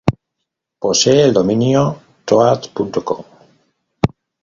Posee el dominio toad.com.